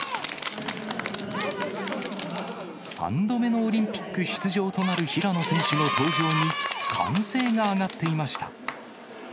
３度目のオリンピック出場となる平野選手の登場に、歓声が上がっていました。